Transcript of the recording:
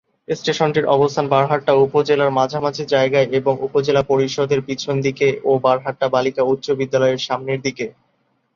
স্টেশনটির অবস্থান বারহাট্টা বাজারের মাঝামাঝি জায়গায় এবং উপজেলা পরিষদের পিছন দিকে ও বারহাট্টা বালিকা উচ্চ বিদ্যালয়ের সামনের দিকে।